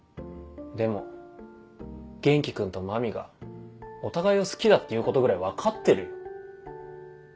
でも元気君と麻美がお互いを好きだっていうことぐらい分かってるよ。